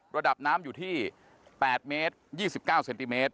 ระดับน้ำอยู่ที่๘เมตร๒๙เซนติเมตร